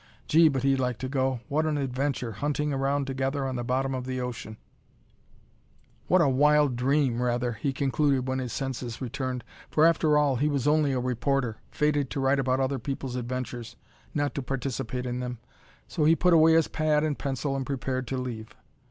Gee, but he'd like to go! What an adventure, hunting around together on the bottom of the ocean! What a wild dream, rather, he concluded when his senses returned. For after all, he was only a reporter, fated to write about other people's adventures, not to participate in them. So he put away his pad and pencil and prepared to leave.